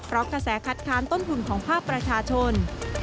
เพราะกระแสคัดค้านต้นทุนของภาคประชาชน